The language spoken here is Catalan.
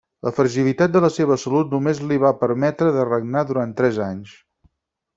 La fragilitat de la seva salut només li va permetre de regnar durant tres anys.